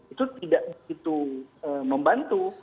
itu tidak begitu membantu